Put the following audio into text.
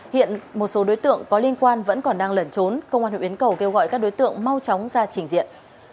hiện một số đối tượng có liên quan vẫn còn đang lẩn trốn công an huyện yến cầu kêu gọi các đối tượng mau chóng ra trình diện